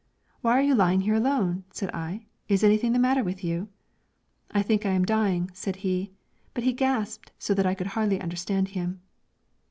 'Why are you lying here alone?' said I: 'is anything the matter with you?' 'I think I am dying,' said he, but he gasped so I could hardly understand him.